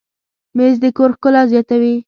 مېز د کور ښکلا زیاتوي.